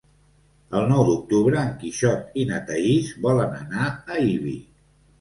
El nou d'octubre en Quixot i na Thaís volen anar a Ibi.